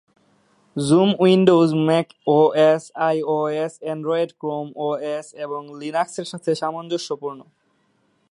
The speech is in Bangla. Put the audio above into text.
Zoom Windows, Mac OS, iOS, Android, Chrome OS এবং লিনাক্সের সাথে সামঞ্জস্যপূর্ণ।